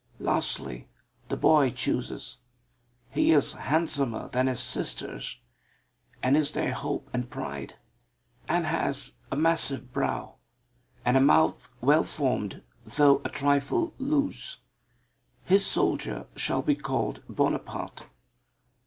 Lastly the boy chooses. He is handsomer than his sisters, and is their hope and pride; and has a massive brow and a mouth well formed though a trifle loose. His soldier shall be called Bonaparte.